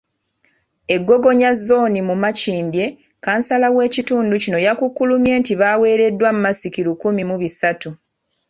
E Gogonya zooni mu Makindye, kansala w’ekitundu kino yakukkulumye nti baweereddwa masiki lukumi mu bisatu.